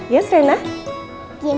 kalau ke pantai asuhan aku mau ke mana